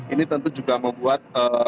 ini tentu juga membuat